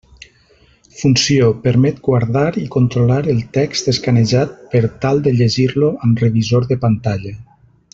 Funció: permet guardar i controlar el text escanejat per tal de llegir-lo amb revisor de pantalla.